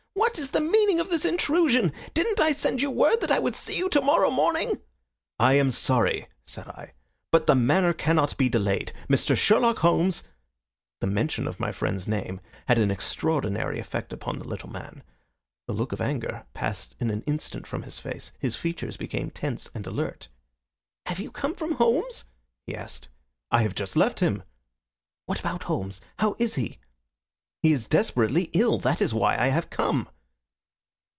"What is the meaning of this intrusion? Didn't I send you word that I would see you to morrow morning?" "I am sorry," said I, "but the matter cannot be delayed. Mr. Sherlock Holmes " The mention of my friend's name had an extraordinary effect upon the little man. The look of anger passed in an instant from his face. His features became tense and alert. "Have you come from Holmes?" he asked. "I have just left him." "What about Holmes? How is he?" "He is desperately ill. That is why I have come."